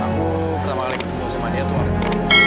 aku pertama kali ketemu sama dia tuh waktu itu